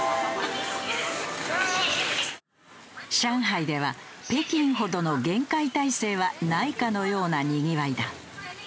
上海では北京ほどの厳戒態勢はないかのようなにぎわいだ。